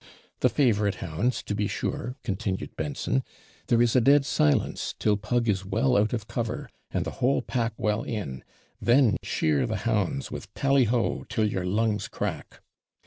'The favourite hounds, to be sure,' continued Benson; 'there is a dead silence, till pug is well out of cover, and the whole pack well in; then cheer the hounds with tally ho! till your lungs crack.